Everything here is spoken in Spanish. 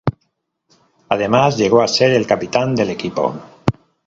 Además, llegó a ser el capitán del equipo.